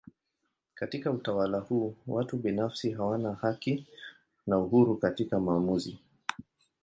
Katika utawala huu watu binafsi hawana haki na uhuru katika maamuzi.